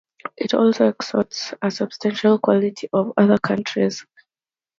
It also exports a substantial quantity to other countries.